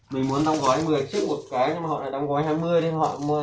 mình muốn đóng gói một mươi chiếc một cái nhưng mà họ này đóng gói hai mươi